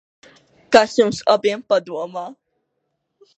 Kas jums abiem padomā?